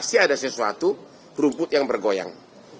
pasti ada sesuatu rumput yang bergoyang